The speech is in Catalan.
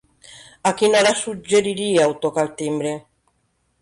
A quina hora suggeriríeu tocar el timbre?